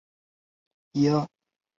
跟他们坐同路线